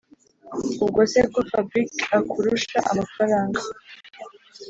ubwo se ko fabric akurusha amafaranga